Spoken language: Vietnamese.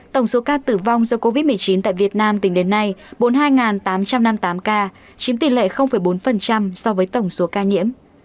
tổng số ca tử vong do covid một mươi chín tại việt nam tính đến nay bốn mươi hai tám trăm năm mươi tám ca chiếm tỷ lệ bốn so với tổng số ca nhiễm